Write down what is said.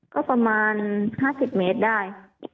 ก็ประมาณ๕๐เมตรได้